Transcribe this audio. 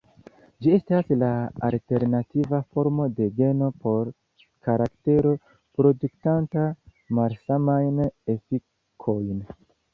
Ĝi estas la alternativa formo de geno por karaktero produktanta malsamajn efikojn.